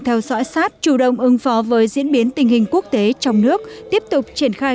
theo sõi sát chủ động ứng phó với diễn biến tình hình quốc tế trong nước tiếp tục triển khai